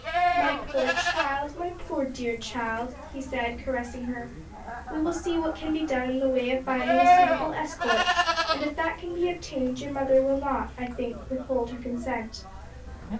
"My poor child! my poor dear child!" he said, caressing her; "we will see what can be done in the way of finding a suitable escort, and if that can be obtained your mother will not, I think, withhold her consent."